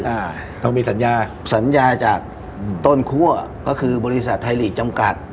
อ่าต้องมีสัญญาสัญญาจากอืมต้นคั่วก็คือบริษัทไทยฤทธิ์จำกัด